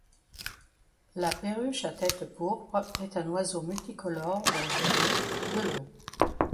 La Perruche à tête pourpre est un oiseau multicolore d'environ de long.